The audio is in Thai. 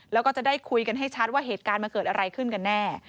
แล้วก็จะได้คุยกันให้ชัดว่าเหตุการณ์มันเกิดอะไรขึ้นกันแน่